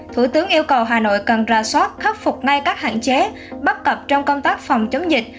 thủ tướng yêu cầu hà nội cần ra soát khắc phục ngay các hạn chế bất cập trong công tác phòng chống dịch